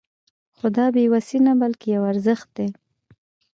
خو دا بې وسي نه بلکې يو ارزښت دی.